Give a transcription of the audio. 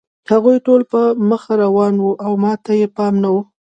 هغوی ټول په مخه روان وو او ما ته یې پام نه و